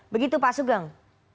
begitu pak sugeng